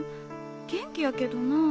元気やけどなぁ。